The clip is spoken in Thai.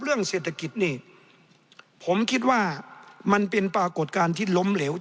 เรื่องเศรษฐกิจนี่ผมคิดว่ามันเป็นปรากฏการณ์ที่ล้มเหลว